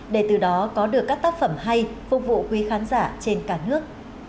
để từ đó có được các tác phẩm hay phục vụ quý khán giả trên cả nước